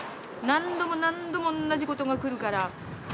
何度も何度もおんなじことが来るから。